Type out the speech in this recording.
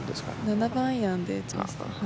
７番アイアンで打ちました。